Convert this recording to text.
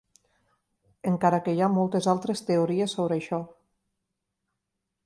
Encara que hi ha moltes altres teories sobre això.